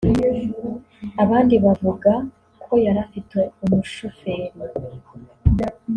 abandi bakavuga ko yari afite umushoferi